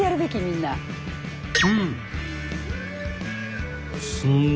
うん！